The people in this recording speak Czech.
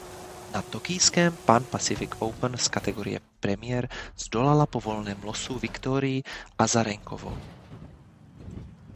Na tokijském Pan Pacific Open z kategorie Premier zdolala po volném losu Viktorii Azarenkovou.